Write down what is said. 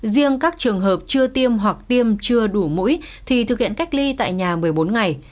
riêng các trường hợp chưa tiêm hoặc tiêm chưa đủ mũi thì thực hiện cách ly tại nhà một mươi bốn ngày